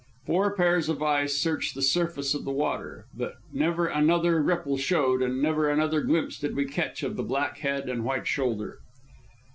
Four pairs of eyes searched the surface of the water, but never another ripple showed, and never another glimpse did we catch of the black head and white shoulder.